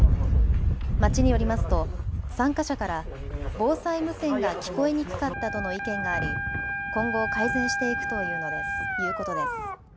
町によりますと参加者から防災無線が聞こえにくかったとの意見があり今後、改善していくということです。